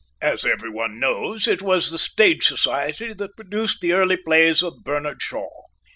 As every one knows, it was the Stage Society that produced the early plays of Bernard Shaw.